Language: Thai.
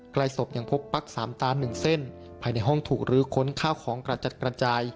ใกล้ศพยังพบปั๊กสามตาหนึ่งเส้นภายในห้องถูกลื้อค้นข้าวของกระจัดกระจาย